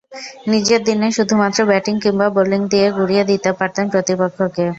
নিজের দিনে শুধুমাত্র ব্যাটিং কিংবা বোলিং দিয়ে গুঁড়িয়ে দিতে পারতেন প্রতিপক্ষকে।